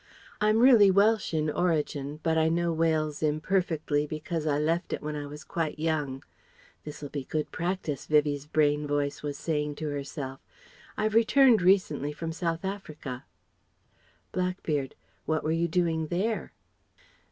I'm really Welsh in origin, but I know Wales imperfectly because I left it when I was quite young" ("This'll be good practice," Vivie's brain voice was saying to herself) ... "I've returned recently from South Africa." Blackbeard: "What were you doing there?"